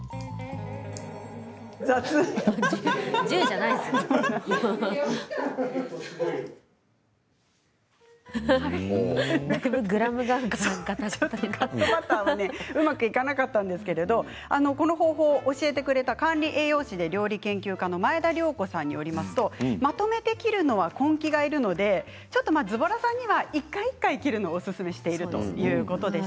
だいぶカットバターがうまくいかなかったんですがこの方法を教えてくれた管理栄養士で料理研究家の前田量子さんによるとまとめて切るのは根気がいるのでずぼらさんには一回一回切ることをおすすめしているそうです。